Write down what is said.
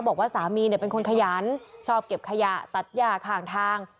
บอกว่าสามีเป็นคนขยันชอบเก็บขยะตัดย่าข้างทาง